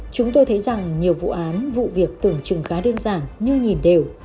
chúng tôi thấy rằng nhiều vụ án vụ việc tưởng chừng khá đơn giản như nhìn đều